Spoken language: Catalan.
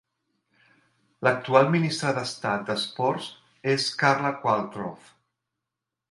L'actual ministre d'estat d'esports és Carla Qualtrough.